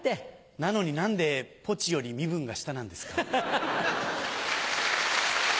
なのに何でポチより身分が下なんですか？